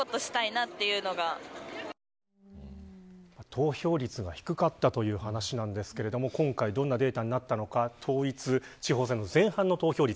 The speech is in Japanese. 投票率が低かったという話ですが今回どんなデータになったのか統一地方選の前半の投票率。